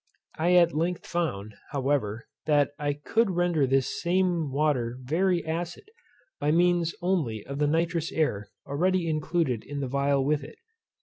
I at length found, however, that I could render this same water very acid, by means only of the nitrous air already included in the phial with it.